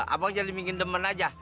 abang jadi mingin demen aja